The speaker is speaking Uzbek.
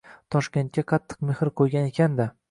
O‘zbekistonga qattiq mehr qo‘ygan ekanda.